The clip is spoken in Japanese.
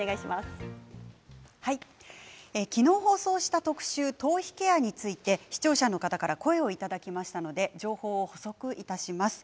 昨日放送した特集頭皮ケアについて視聴者の方から声をいただきましたので情報補足いたします。